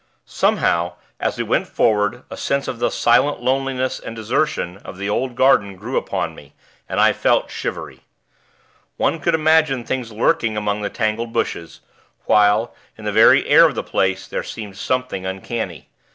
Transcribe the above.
Somehow, as we went forward, a sense of the silent loneliness and desertion of the old garden grew upon me, and I felt shivery. One could imagine things lurking among the tangled bushes; while, in the very air of the place, there seemed something uncanny.